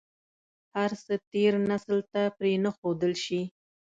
هر څه تېر نسل ته پرې نه ښودل شي.